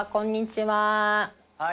はい。